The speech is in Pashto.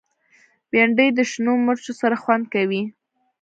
بېنډۍ د شنو مرچو سره خوند کوي